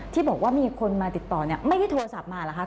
ที่บอกว่ามีคนมาติดต่อเนี่ยไม่ได้โทรศัพท์มาเหรอคะ